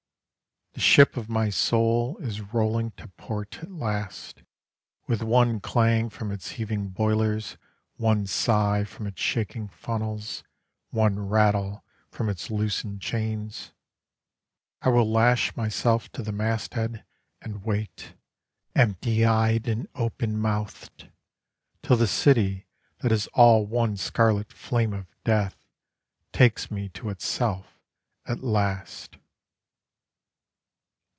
The ship of my soul Is rolling to port at last, With one clang from its heaving boilers, One sigh from its shaking funnels, One rattle from its loosened chains. I will lash myself to the masthead And wait Empty eyed and open mouthed, Till the city that is all one scarlet flame of death Takes me to itself at last.